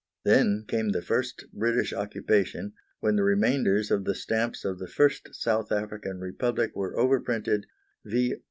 Then came the first British Occupation, when the remainders of the stamps of the first South African Republic were overprinted "V.R.